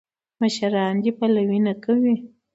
مشران دې پلوي نه کوي.